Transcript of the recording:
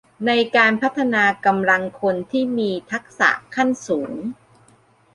ในการพัฒนากำลังคนที่มีทักษะขั้นสูง